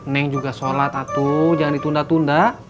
neng juga sholat atu jangan ditunda tunda